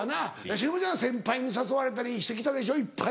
忍ちゃんは先輩に誘われたりしてきたでしょいっぱい。